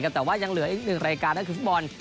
แต่ว่ายังเหลืออีกหนึ่งรายการนั่นคือฟุตบอล